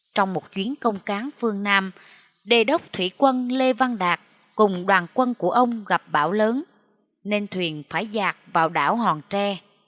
trong một chuyến công cán phương nam đề đốc thủy quân lê văn đạt cùng đoàn quân của ông gặp bão lớn nên thuyền phải giạt vào đảo hòn tre